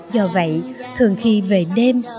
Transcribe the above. do vậy thường khi về đêm